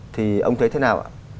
thì ông thấy thế nào ạ